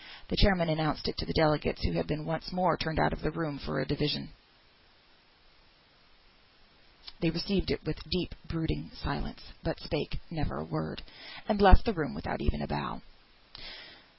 The chairman announced it to the delegates (who had been once more turned out of the room for a division). They received it with deep brooding silence, but spake never a word, and left the room without even a bow.